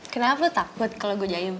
kenapa takut kalau gue jatuh